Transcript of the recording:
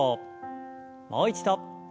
もう一度。